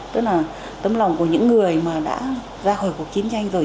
tức là tấm lòng của những người mà đã ra khỏi cuộc chiến tranh rồi